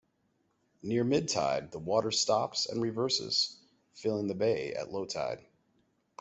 Near mid-tide the water stops and reverses, filling the Bay at low tide.